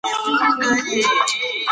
د شرابو څېښل ناروا کار دئ.